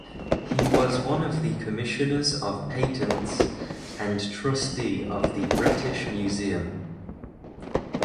He was one of the commissioners of patents, and trustee of the British Museum.